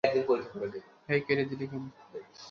হেই, কেটে দিলি কেন?